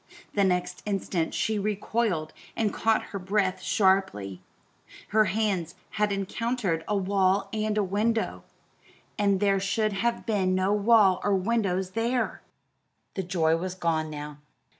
The next instant she recoiled and caught her breath sharply; her hands had encountered a wall and a window and there should have been no wall or windows there! The joy was gone now.